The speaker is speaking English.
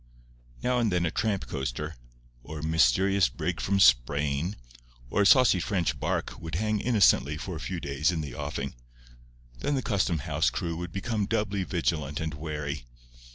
Now and then a tramp coaster, or a mysterious brig from Spain, or a saucy French barque would hang innocently for a few days in the offing. Then the custom house crew would become doubly vigilant and wary.